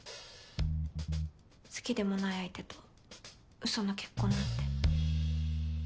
好きでもない相手とうその結婚なんて。